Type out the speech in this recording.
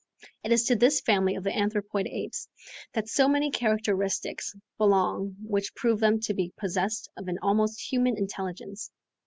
It is to this family of the anthropoid apes that so many characteristics belong which prove them to be possessed of an almost human intelligence.